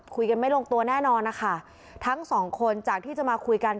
คุยกันไม่ลงตัวแน่นอนนะคะทั้งสองคนจากที่จะมาคุยกัน